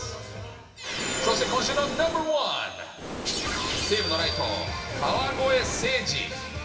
そして今週のナンバー１、西武のライト、川越誠司。